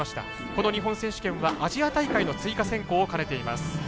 この日本選手権はアジア大会の追加選考を兼ねています。